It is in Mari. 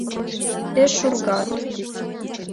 Пеш шургат.